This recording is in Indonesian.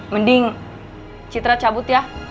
mending citra cabut ya